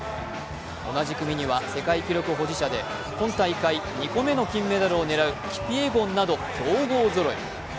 同じ組には世界記録保持者で今大会２個目の金メダルを狙うキピエゴンなど、強豪ぞろい。